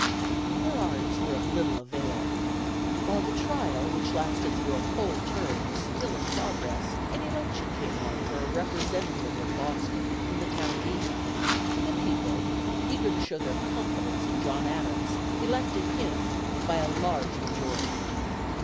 Their arts were of little avail. While the trial (which lasted through a whole term) was still in progress, an election came on for a representative of Boston, in the town meeting, and the people, eager to show their confidence in John Adams, elected him by a large majority.